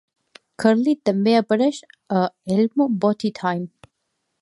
Curly també apareix a "Elmo Potty Time".